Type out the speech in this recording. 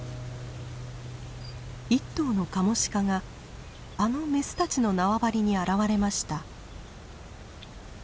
１頭のカモシカがあのメスたちの縄張りに現れました。